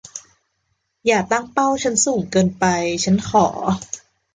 อย่าตั้งเป้าฉันสูงเกินไป ฉันขอ